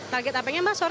target apanya mbak sorry